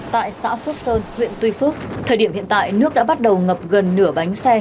tại xã phước sơn huyện tuy phước thời điểm hiện tại nước đã bắt đầu ngập gần nửa bánh xe